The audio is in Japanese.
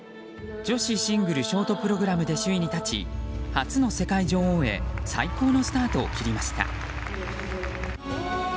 女子シングルショートプログラムで首位に立ち初の世界女王へ最高のスタートを切りました。